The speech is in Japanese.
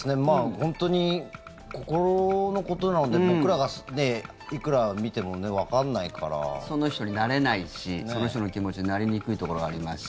本当に心のことなので僕らがいくら見てもその人になれないしその人の気持ちになりにくいところがありますし。